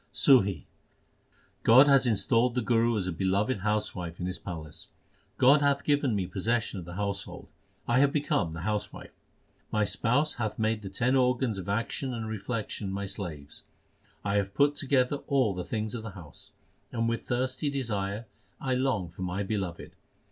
SUHI God has installed the Guru as a beloved housewife in His palace : God hath given me possession of the household ; I have become the housewife. My Spouse hath made the ten organs of action and reflec tion my slaves. 1 have put together all the things of the house, And with thirsty desire I long for my Beloved.